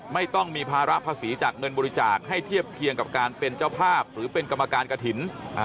ไม่ต้องมีภาระภาษีจากเงินบริจาคให้เทียบเคียงกับการเป็นเจ้าภาพหรือเป็นกรรมการกระถิ่น